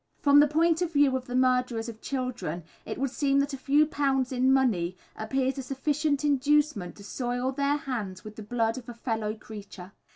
From the point of view of the murderers of children it would seem that a few pounds in money appears a sufficient inducement to soil their hands with the blood of a fellow creature.